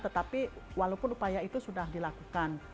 tetapi walaupun upaya itu sudah dilakukan